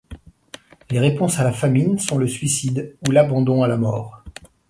Les réponses à la famine sont le suicide ou l'abandon à la mort.